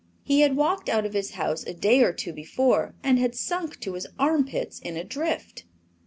He had walked out of his house a day or two before and had sunk to his armpits in a drift.